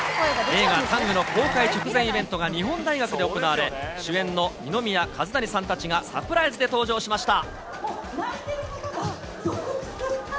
映画、タングの公開直前イベントが日本大学で行われ、主演の二宮和也さんたちがサプライズで登場しました。